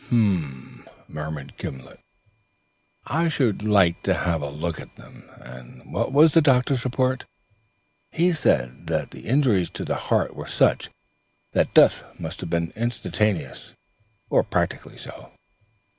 "H'm," murmured Gimblet. "I should like to have a look at them. And what was the doctor's report?" "He said that the injuries to the heart were such that death must have been instantaneous, or practically so."